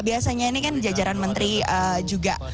biasanya ini kan jajaran menteri juga